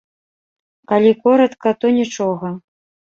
Калі коратка, то нічога.